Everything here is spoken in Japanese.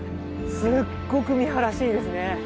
すっごく見晴らしいいですね。